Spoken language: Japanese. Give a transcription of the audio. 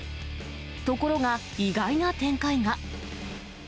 ところが意外な展開が。